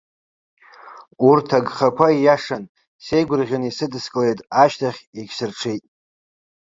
Урҭ агхақәа иашан, сеигәырӷьаны исыдыскылеит, ашьҭахь егьсырҽеит.